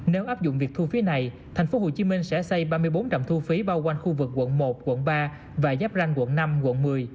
nếu áp dụng việc thu phí này thành phố hồ chí minh sẽ xây ba mươi bốn trạm thu phí bao quanh khu vực quận một quận ba và giáp ranh quận năm quận một mươi